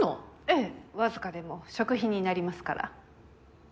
ええ僅かでも食費になりますから。